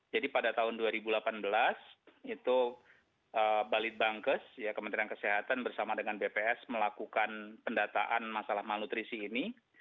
pada tahun dua ribu delapan belas itu balit bankes kementerian kesehatan bersama dengan bps melakukan pendataan masalah malnutrisi ini